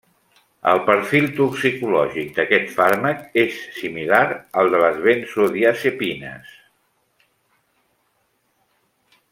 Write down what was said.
El perfil toxicològic d'aquest fàrmac és similar al de les benzodiazepines.